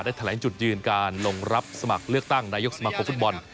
แถลงจุดยืนการลงรับสมัครเลือกตั้งนายกสมาคมฟุตบอล